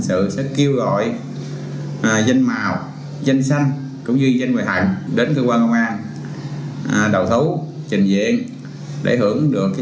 điều tra viên gò khao lợi và điều đã thử nhận tin báo của bị hại công an huyện gò khao hiện đang bỏ trốn rủ nhau đến nhà của bà bô để cướp tài sản